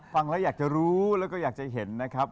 ฟังแล้วอยากจะรู้แล้วก็อยากจะเห็นนะครับ